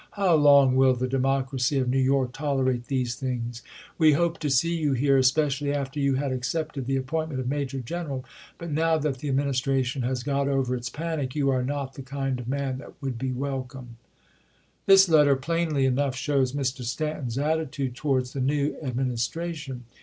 How long will the Democracy of New York tolerate these ^Dflf^ things? ... We hoped to see you here, especially after ofjoto A^ you had accepted the appointment of major general. But Dix." Vol. now that the Administration has got over its panic, you II pp 19 . jr 7 ./" 20." ' are not the kind of man that would be welcome. BULL EUN 363 This letter plainly enough shows Mr. Stanton's chap. xx. attitude towards the new Administration.